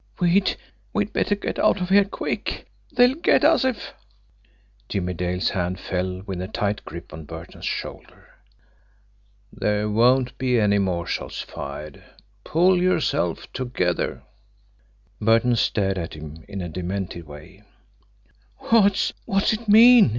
We'd we'd better get out of here quick they'll get us if " Jimmie Dale's hand fell with a tight grip on Burton's shoulder. "There won't be any more shots fired pull yourself together!" Burton stared at him in a demented way. "What's what's it mean?"